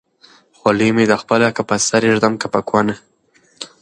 خولۍ مې ده خپله که په سر يې ايږدم که په کونه